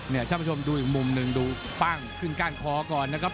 ท่านผู้ชมดูอีกมุมหนึ่งดูปั้งขึ้นก้านคอก่อนนะครับ